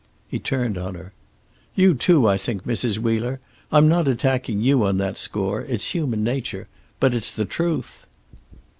He turned on her. "You too, I think, Mrs. Wheeler. I'm not attacking you on that score; it's human nature. But it's the truth."